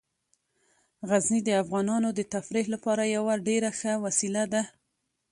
غزني د افغانانو د تفریح لپاره یوه ډیره ښه وسیله ده.